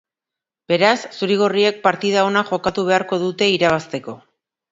Beraz, zuri-gorriek partida ona jokatu beharko dute irabazteko.